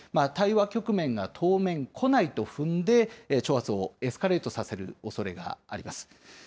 対話局面が当面来ないと踏んで、挑発をエスカレートさせるおそれがあります。